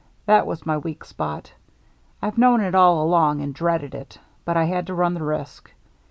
That was my weak spot. I've known it all along and dreaded it, but I had to run the risk.